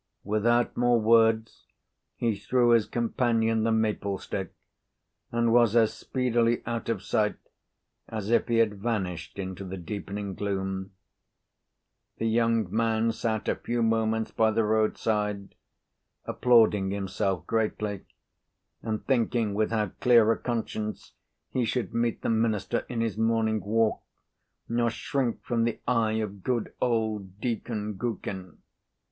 Without more words, he threw his companion the maple stick, and was as speedily out of sight as if he had vanished into the deepening gloom. The young man sat a few moments by the roadside, applauding himself greatly, and thinking with how clear a conscience he should meet the minister in his morning walk, nor shrink from the eye of good old Deacon Gookin.